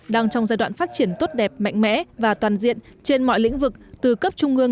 đang trong giai đoạn phát triển tốt đẹp mạnh mẽ và toàn diện trên mọi lĩnh vực từ cấp trung ương